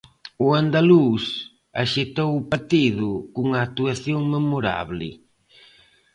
O andaluz axitou o partido cunha actuación memorable.